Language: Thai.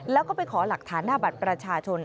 แล้วก็ไปขอหลักฐานหน้าบัตรประชาชน